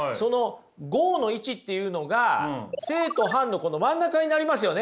合の位置っていうのが正と反の真ん中になりますよね。